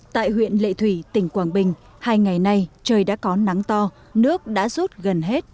tại huyện lệ thủy tỉnh quảng bình hai ngày nay trời đã có nắng to nước đã rút gần hết